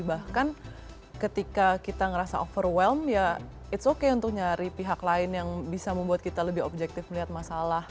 bahkan ketika kita ngerasa overwell ya ⁇ its ⁇ okay untuk nyari pihak lain yang bisa membuat kita lebih objektif melihat masalah